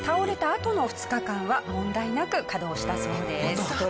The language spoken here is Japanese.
あとの２日間は問題なく稼働したそうです。